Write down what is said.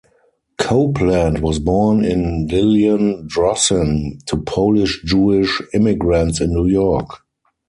Copeland was born Lillian Drossin to Polish Jewish immigrants in New York.